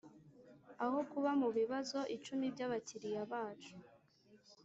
aho kuba mubibazo icumi byabakiriya bacu.